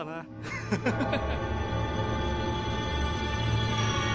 ハハハハハ。